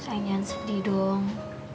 sayang jangan sedih dong